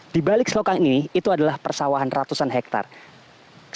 di balik selokan ini itu adalah persawahan ratusan hektare